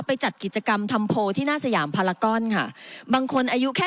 จัดกิจกรรมทำโพลที่หน้าสยามพารากอนค่ะบางคนอายุแค่